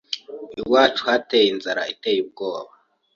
iwacu hateye inzara iteye ubwoba,